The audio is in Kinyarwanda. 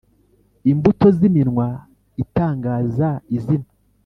Imbuto z iminwa itangaza izina